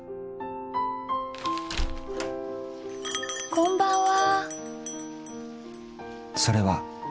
こんばんは。